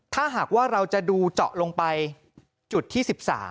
ถ้าหากว่าเราจะดูเจาะลงไปจุดที่๑๓